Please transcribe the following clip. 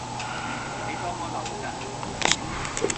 你當我流㗎